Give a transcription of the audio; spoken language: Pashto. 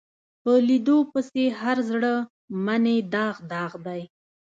په لیدو پسې هر زړه منې داغ داغ دی